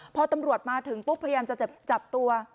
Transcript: พอตำรวจมาถึงปุ๊บพยายามจะจับตัว